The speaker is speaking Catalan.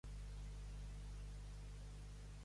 Flauta o flauteta?